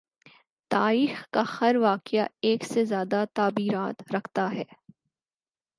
تایخ کا ہر واقعہ ایک سے زیادہ تعبیرات رکھتا ہے۔